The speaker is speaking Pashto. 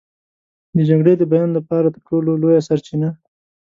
د جګړې د بیان لپاره تر ټولو لویه سرچینه.